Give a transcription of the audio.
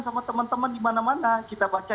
sama teman teman di mana mana kita baca